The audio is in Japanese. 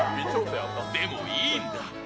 でも、いいんだ。